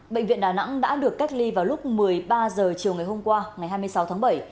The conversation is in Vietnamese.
bệnh viện đà nẵng đã được cách ly vào lúc một mươi ba h chiều ngày hôm qua ngày hai mươi sáu tháng bảy